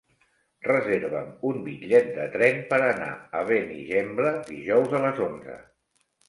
Reserva'm un bitllet de tren per anar a Benigembla dijous a les onze.